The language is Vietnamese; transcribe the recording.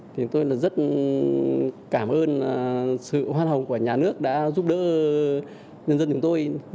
thì tôi rất cảm ơn sự khoan hồng của nhà nước đã giúp đỡ nhân dân chúng tôi